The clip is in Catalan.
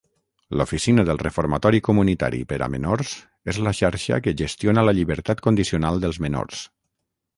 L'Oficina del Reformatori Comunitari per a Menors és la xarxa que gestiona la llibertat condicional dels menors.